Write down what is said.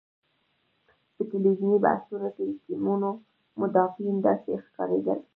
په ټلویزیوني بحثونو کې د ټیمونو مدافعین داسې ښکارېدل.